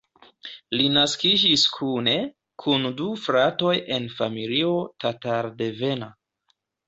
Li naskiĝis kune kun du fratoj en familio tatar-devena.